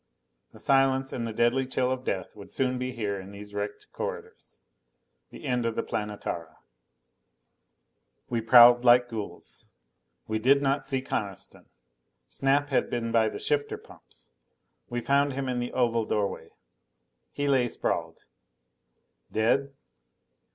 The silence and the deadly chill of death would soon be here in these wrecked corridors. The end of the Planetara. We prowled like ghouls. We did not see Coniston. Snap had been by the shifter pumps. We found him in the oval doorway. He lay sprawled. Dead?